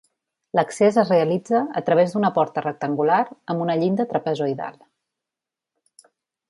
L'accés es realitza a través d'una porta rectangular amb una llinda trapezoidal.